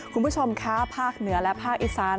คุณผู้ชมคะภาคเหนือและภาคอีสาน